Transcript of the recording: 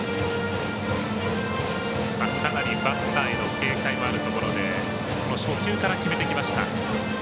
かなり、バッターへの警戒もあるところでその初球から決めてきました。